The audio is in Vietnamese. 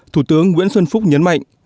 thủ tướng nguyễn xuân phúc nhấn mạnh